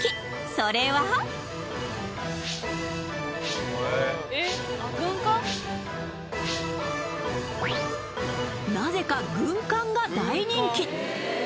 それはなぜか軍艦が大人気。